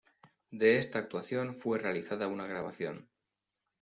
De esta actuación fue realizada una grabación.